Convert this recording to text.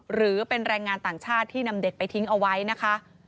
หรือเป็นแรงงานต่างชาติที่นำเด็กไปทิ้งเอาไว้นะคะ